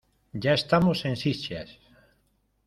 Ya estamos en Sitges.